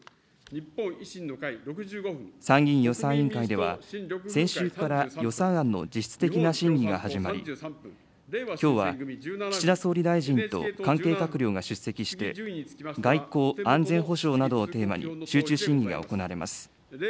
参議院予算委員会では、先週から予算案の実質的な審議が始まり、きょうは、岸田総理大臣と関係閣僚が出席して、外交・安全保障などをテーマに集中審議が行われます。